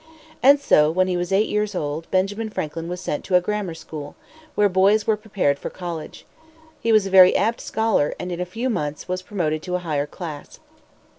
And so, when he was eight years old, Benjamin Franklin was sent to a grammar school, where boys were prepared for college. He was a very apt scholar, and in a few months was promoted to a higher class.